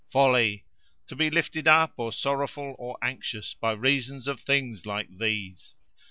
Folly! to be lifted up, or sorrowful, or anxious, by reason of things like these!